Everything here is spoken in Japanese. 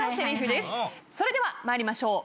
それでは参りましょう。